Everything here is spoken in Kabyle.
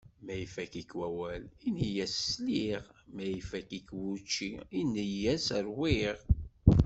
Ma ifat-ik wawal, ini-as sliɣ. Ma ifat-ik wučči, ini-as ṛwiɣ.